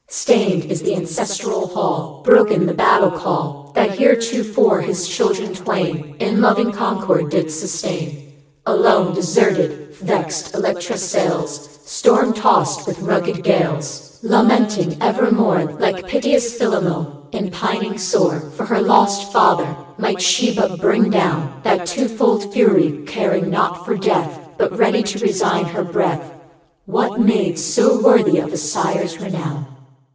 Stained is the ancestral hall, I 2 Broken the battle call, That heretofore his children twain In loving concord did sustain. Alone, deserted, vexed, Electra sails, Storm tossed with rugged gales, Lamenting evermore Like piteous Philomel, and pining sore For her lost father; might she but bring down That two fold Fury, caring not for death, But ready to resign her breath, What maid so worthy of a sire's renown?